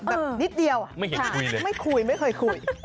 แบบนิดเดียวไม่เห็นคุยเลยไม่คุยไม่เคยคุย